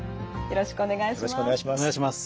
よろしくお願いします。